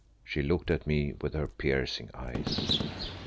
She looked at me with her piercing eyes.